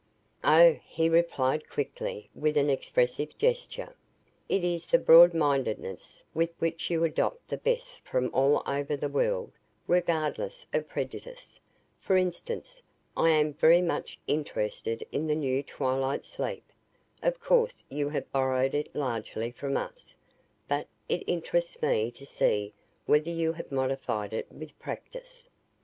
"Oh," he replied quickly with an expressive gesture, "it is the broadmindedness with which you adopt the best from all over the world, regardless of prejudice. For instance, I am very much interested in the new twilight sleep. Of course you have borrowed it largely from us, but it interests me to see whether you have modified it with practice.